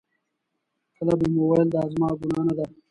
کله به مې ویل دا زما ګناه نه ده.